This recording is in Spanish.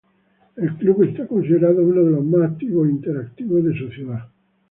El club es considerado uno de los más activos e interactivos de su ciudad.